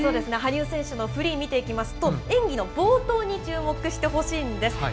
羽生選手のフリー、見ていきますと、演技の冒頭に注目してほしいんです。